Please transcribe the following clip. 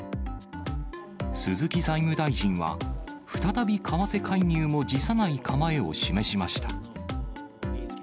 鈴木財務大臣は、再び為替介入も辞さない構えを示しました。